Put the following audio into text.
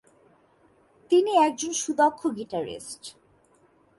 তিনি একজন সুদক্ষ গীটারিষ্ট।